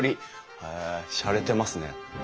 へえしゃれてますね。